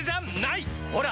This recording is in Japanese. ほら！